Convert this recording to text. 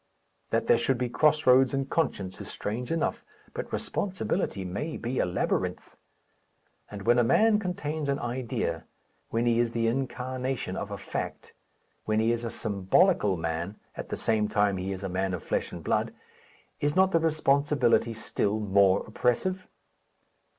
That there should be cross roads in conscience is strange enough; but responsibility may be a labyrinth. And when a man contains an idea, when he is the incarnation of a fact when he is a symbolical man, at the same time that he is a man of flesh and blood is not the responsibility still more oppressive?